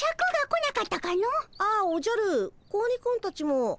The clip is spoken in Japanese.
ああおじゃる子鬼くんたちも。